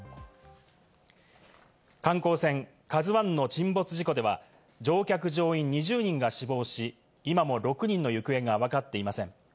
観光船「ＫＡＺＵ１」の沈没事故では、乗客乗員２０人が死亡し、今も６人の行方がわかっていません。